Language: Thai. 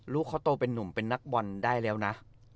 ลูกเขาโตเป็นนุ่มเป็นนักบอลได้แล้วนะ